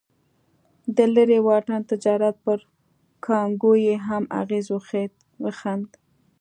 د لرې واټن تجارت پر کانګو یې هم اغېز وښند.